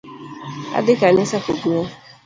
Adhi kanisa kogwen